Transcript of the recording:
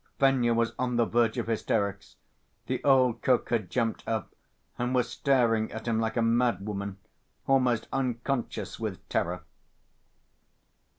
Fenya was on the verge of hysterics. The old cook had jumped up and was staring at him like a mad woman, almost unconscious with terror.